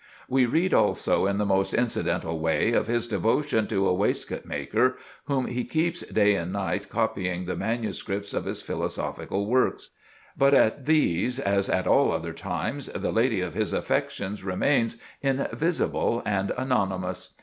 We read also, in the most incidental way, of his devotion to a waistcoat maker, whom he keeps day and night copying the manuscripts of his philosophical works. But at these, as at all other times, the lady of his affections remains "invisible and anonymous."